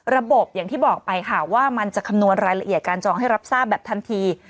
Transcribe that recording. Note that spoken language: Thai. อย่างที่บอกไปค่ะว่ามันจะคำนวณรายละเอียดการจองให้รับทราบแบบทันที